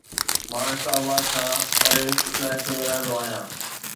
مان اسلام آباد کان پري هڪ علائقي ۾ رهندو آهيان